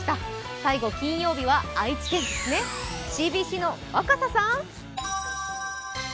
最後金曜日は愛知県ですね、ＣＢＣの若狭さん。